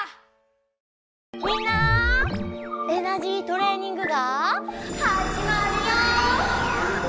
みんなエナジートレーニングがはじまるよ！